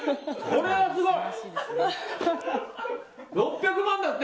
これはすごい！